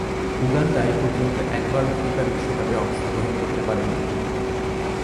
Uganda এপর্যন্ত একবারও FIFA বিশ্বকাপে অংশগ্রহণ করতে পারেনি।